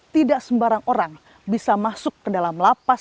tidak sembarang orang bisa masuk ke dalam lapas